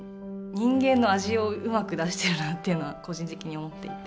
人間の味をうまく出してるなというのは個人的に思っていて。